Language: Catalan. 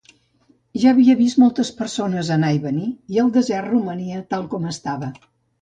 Ja havia vist moltes persones anar i venir, i el desert romania tal com estava.